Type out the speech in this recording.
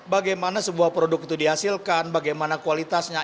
bagaimana sebuah produk itu dihasilkan bagaimana kualitasnya